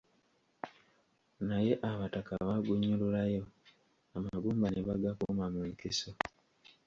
Naye abataka baagunnyululayo, amagumba ge ne bagakuuma mu nkiso.